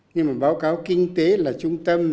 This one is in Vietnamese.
nhưng mà báo cáo kinh tế là trung tâm